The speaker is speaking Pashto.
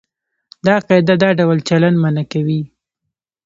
دا قاعده دا ډول چلند منع کوي.